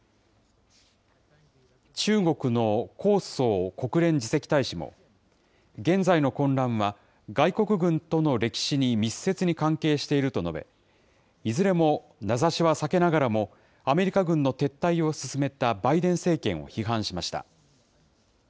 中国の耿爽国連次席大使も、現在の混乱は、外国軍との歴史に密接に関係していると述べ、いずれも名指しは避けながらも、アメリカ軍の撤退を進めたバイデン政権を批判しました。